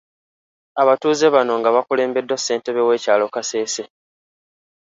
Abatuuze bano nga bakulembeddwa ssentebe w’ekyalo Kasese.